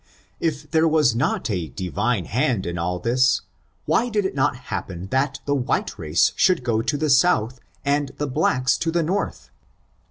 If there was not a Divine hand in all this, why did it not happen that the white race should go south, and the blacks to the north